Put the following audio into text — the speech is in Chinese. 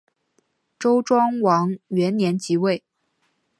周庄王元年即位。